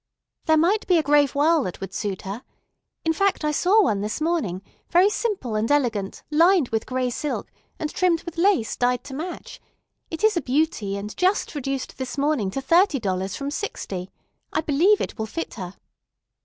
"There might be a gray voile that would suit her. In fact, I saw one this morning, very simple and elegant, lined with gray silk, and trimmed with lace dyed to match. It is a beauty, and just reduced this morning to thirty dollars from sixty. I believe it will fit her."